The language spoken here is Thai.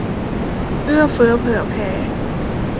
เอื้อเฟื้อเผื่อแผ่